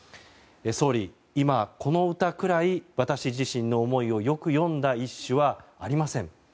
総理、今、この歌くらい私自身の思いをよく詠んだ一首はありません。